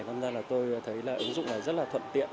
thật ra là tôi thấy là ứng dụng này rất là thuận tiện